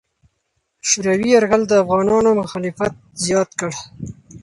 شوروي یرغل د افغانانو مخالفت زیات کړ.